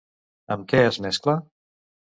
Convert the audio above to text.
Amb què es mescla?